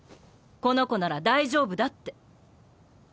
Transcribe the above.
この子なら大丈夫だって。